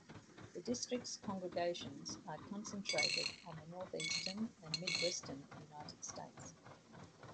The district's congregations are concentrated in the Northeastern and Midwestern United States.